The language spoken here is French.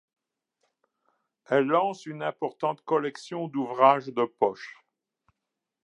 Elle lance une importante collection d'ouvrages de poche.